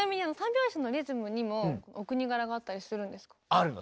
あるの。